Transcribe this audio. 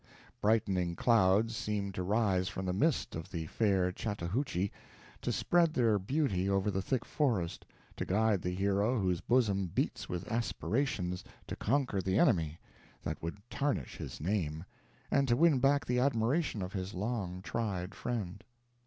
Brightening clouds seemed to rise from the mist of the fair Chattahoochee, to spread their beauty over the thick forest, to guide the hero whose bosom beats with aspirations to conquer the enemy that would tarnish his name, and to win back the admiration of his long tried friend.